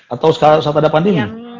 atau saat ada pandemi